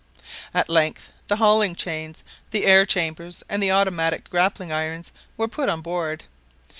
At length the hauling chains, the air chambers, and the automatic grappling irons were put on board.